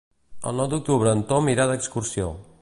El nou d'octubre en Tom irà d'excursió.